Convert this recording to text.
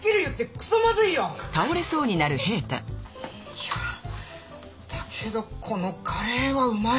いやだけどこのカレイはうまい！